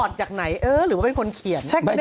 จากไหนเออหรือว่าเป็นคนเขียน